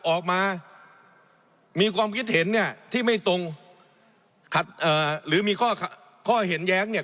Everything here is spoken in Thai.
ออกมามีความคิดเห็นเนี่ยที่ไม่ตรงขัดเอ่อหรือมีข้อเห็นแย้งเนี่ย